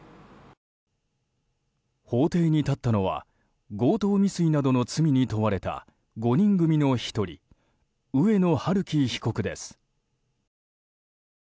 法廷に立ったのは強盗未遂などの罪に問われた５人組の１人上野晴生被告です。